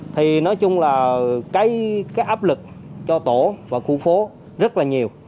thì nói chung là cái áp lực cho tổ và khu phố rất là nhiều